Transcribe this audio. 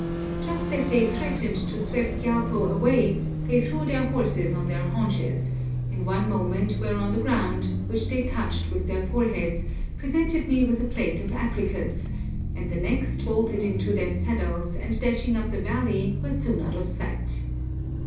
Just as they threatened to sweep Gyalpo away, they threw their horses on their haunches, in one moment were on the ground, which they touched with their foreheads, presented me with a plate of apricots, and the next vaulted into their saddles, and dashing up the valley were soon out of sight.